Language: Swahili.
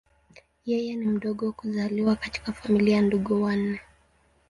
Yeye ni mdogo kuzaliwa katika familia ya ndugu wanne.